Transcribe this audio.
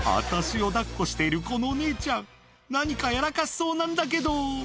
私をだっこしているこの姉ちゃん、何かやらかしそうなんだけど。